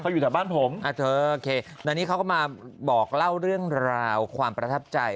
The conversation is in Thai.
อยู่แถวบ้านผมเธอโอเคตอนนี้เขาก็มาบอกเล่าเรื่องราวความประทับใจ